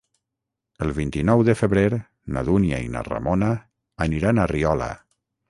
El vint-i-nou de febrer na Dúnia i na Ramona aniran a Riola.